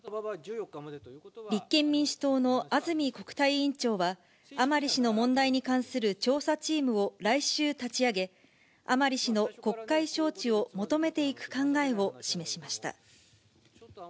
立憲民主党の安住国対委員長は、甘利氏の問題に関する調査チームを来週立ち上げ、甘利氏の国会招致を求めていく考えを示しました。